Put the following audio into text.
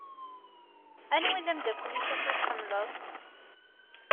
Anwa i d-amdakel-ik akk i tḥemmleḍ?